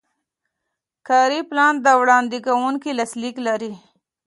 کاري پلان د وړاندې کوونکي لاسلیک لري.